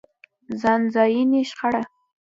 ځانځاني شخړه.